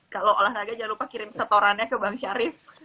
kalau olahraga jangan lupa kirim setorannya ke bang syarif